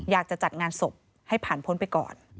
อยากจะจัดงานศพให้ผ่านพ้นไปก่อน